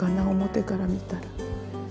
表から見たら。